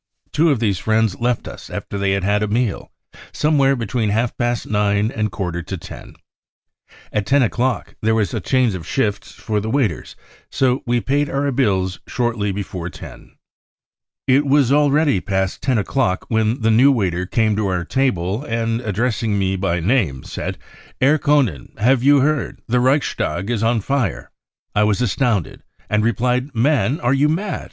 Two of these friends left us after they had had a meal, somewhere between half past nine and a quarter to ten. At ten o'clock there was a change of shift for the waiters, so we paid our bills shortly before ten. "It was already past ten o'clock when the new waiter came up to our table and, addressing me by name, said : 4 Herr Koenen, have you heard, the Reichstag is on fire.' I was astounded, and replied :* Man, are you mad